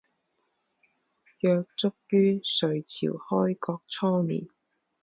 约卒于隋朝开国初年。